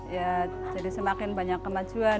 ya jadi semakin banyak kemajuan